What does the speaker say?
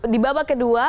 di babak kedua